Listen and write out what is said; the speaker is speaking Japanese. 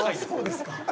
そうですか。